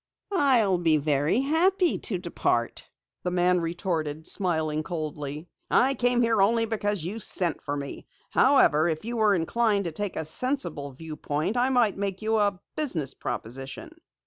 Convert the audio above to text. "I'll be very happy to depart," the man retorted, smiling coldly. "I came here only because you sent for me. However, if you were inclined to take a sensible viewpoint, I might make you a business proposition."